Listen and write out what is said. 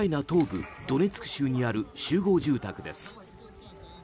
東部ドネツク州にある集合住宅です。